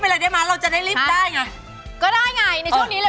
สิคกี้พายให้สิคกี้พายให้